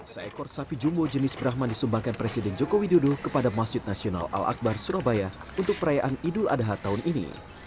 seekor sapi jumbo jenis brahman disumbangkan presiden joko widodo kepada masjid nasional al akbar surabaya untuk perayaan idul adha tahun ini